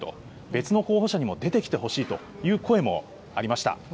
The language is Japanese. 別の候補者にも出てきてほしいという声もありました。